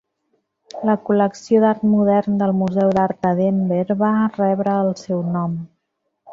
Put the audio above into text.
La col·lecció d'art modern del Museu d'Art de Denver va rebre el seu nom.